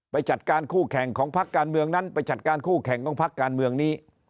ไปจัดการคู่แข่งของพักการเมืองนั้นไปจัดการคู่แข่งของพักการเมืองนี้